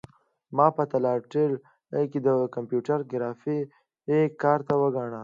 ما په لاټرۍ کې د کمپیوټر ګرافیک کارت وګاټه.